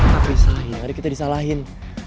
tapi saya yang ada kita disalahin